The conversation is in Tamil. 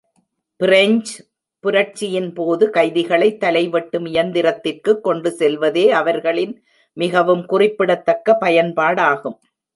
ஃப்ரெஞ்ச் புரட்சியின் போது கைதிகளைத் தலை வெட்டும் இயந்திரத்திற்குக் கொண்டு செல்வதே அவர்களின் மிகவும் குறிப்பிடத்தக்க பயன்பாடாகும்.